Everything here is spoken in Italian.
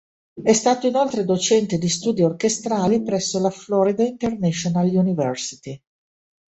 È stato inoltre docente di studi orchestrali presso la Florida International University.